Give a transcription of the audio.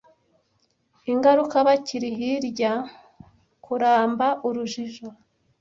Ingaruka bakiri hirya en kuramba, urujijo